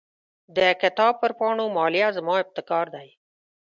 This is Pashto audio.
د کتاب پر پاڼو مالیه زما ابتکار دی.